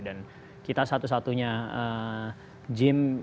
dan kita satu satunya gym yang